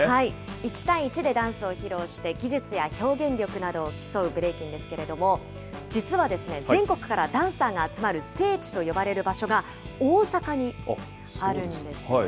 １対１でダンスを披露して、技術や表現力などを競うブレイキンですけれども、実は全国からダンサーが集まる聖地と呼ばれる場所が、大阪にあるんですよね。